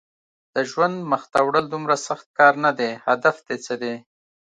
د ژوند مخته وړل دومره سخت کار نه دی، هدف دې څه دی؟